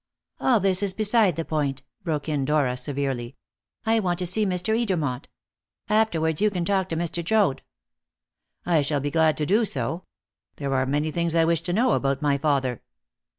"All this is beside the point," broke in Dora severely. "I want you to see Mr. Edermont. Afterwards you can talk to Mr. Joad." "I shall be glad to do so. There are many things I wish to know about my father."